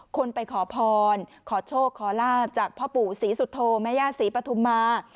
คนไปขอพรขอโชคขอลาบจากพ่อปู่ศรีสุโธแม่ย่าศรีปฐุมมา